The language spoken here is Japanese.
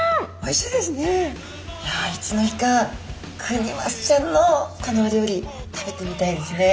いやいつの日かクニマスちゃんのこのお料理食べてみたいですね。